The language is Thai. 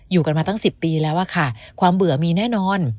อยู่กันมาตั้ง๑๐ปีแล้วอะค่ะความเบื่อมีแน่นอน